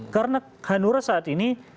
karena hanura saat ini